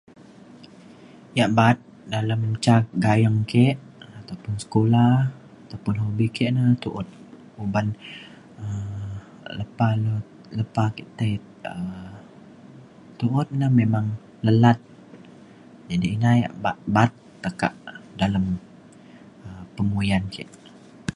ja' ba'at dalem ca gayeng ke' um ataupun sekula taupun hobi ke' ne tu't uban um lepa le lepa ke' tai um tu'ut ne memang lelat jadi ina ya' ba ba'at tekak dalem um penguyan ke'.